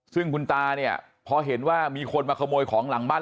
ซึ่งคุณตาเนี่ยพอเห็นว่ามีคนมาขโมยของหลังบ้าน